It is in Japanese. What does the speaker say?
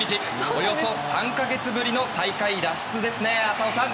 およそ３か月ぶりの最下位脱出ですね、浅尾さん。